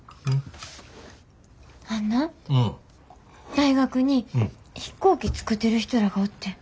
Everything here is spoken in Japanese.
あんな大学に飛行機作ってる人らがおってん。